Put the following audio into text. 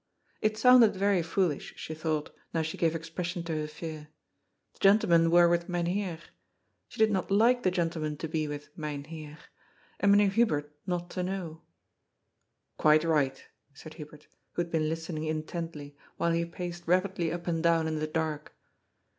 It sounded very foolish, she thought, now she gave expression to her fear. The gentlemen were with Myn Heer. She did not like the gentlemen to be with Myn Heer, and Meneer Hu bert not to know. " Quite right," said Hubert, who had been listening in tently, while he paced rapidly up and down in the dark.